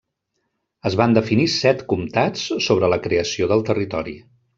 Es van definir set comtats sobre la creació del territori.